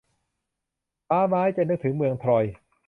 ม้าไม้ จะนึกถึงเมืองทรอย